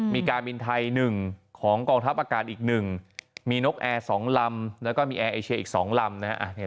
มีการบินไทย๑ของกองทัพอากาศอีก๑มีนกแอร์๒ลำแล้วก็มีแอร์เอเชียอีก๒ลำนะฮะ